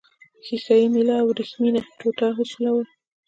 ښيښه یي میله او وریښمینه ټوټه وسولوئ.